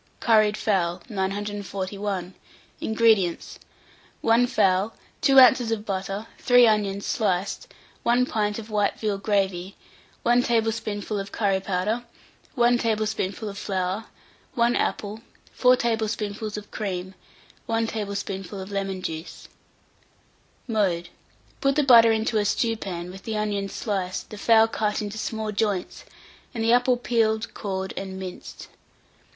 CURRIED FOWL. 941. INGREDIENTS. 1 fowl, 2 oz. of butter, 3 onions sliced, 1 pint of white veal gravy, 1 tablespoonful of curry powder, 1 tablespoonful of flour, 1 apple, 4 tablespoonfuls of cream, 1 tablespoonful of lemon juice. Mode. Put the butter into a stewpan, with the onions sliced, the fowl cut into small joints, and the apple peeled, cored, and minced.